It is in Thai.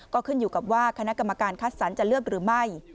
ก็ขึ้นอยู่กับว่าคณะกรรมการคัดสรรจะเลือกหรือไม่